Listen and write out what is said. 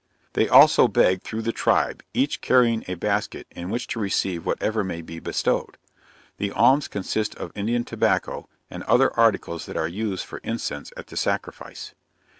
They also beg through the tribe, each carrying a basket in which to receive whatever may be bestowed. The alms consist of Indian tobacco, and other articles that are used for incense at the sacrifice.